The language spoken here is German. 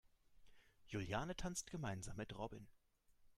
Juliane tanzt gemeinsam mit Robin.